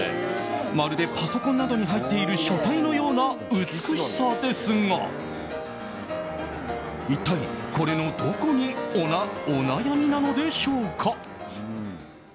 まるでパソコンなどに入っている書体のような美しさですが一体これのどこにお悩みなのでしょうか。